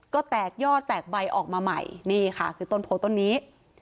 ก็แตกยอดแตกใบออกมาใหม่นี่ค่ะคือต้นโพต้นนี้